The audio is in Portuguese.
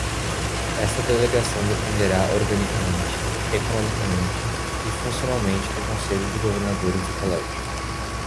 Esta delegação dependerá organicamente, economicamente e funcionalmente do Conselho de Governadores do Colégio.